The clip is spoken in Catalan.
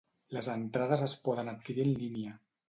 Les entrades es poden adquirir en línia.